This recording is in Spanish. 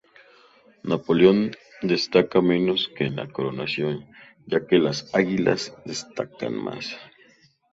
Napoleón destaca menos que en la coronación, ya que las águilas destacan más.